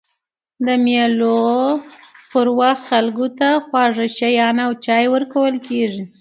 د مېلو پر وخت خلکو ته خواږه شيان او چای ورکول کېږي.